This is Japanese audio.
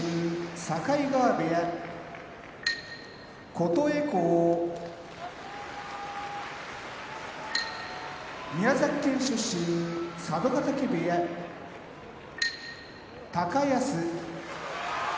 琴恵光宮崎県出身佐渡ヶ嶽部屋高安